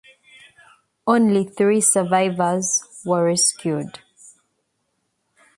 Only three survivors were rescued.